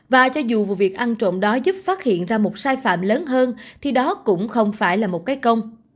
và cho dù vụ việc ăn trộm đó giúp phát hiện ra một sai phạm lớn hơn thì đó cũng không phải là một cái công